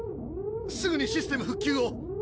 ・・すぐにシステム復旧を！